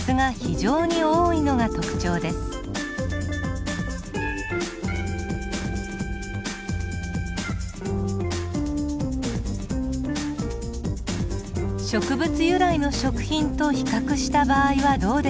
由来の食品と比較した場合はどうでしょうか。